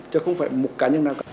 chứ không phải một cá nhân nào cả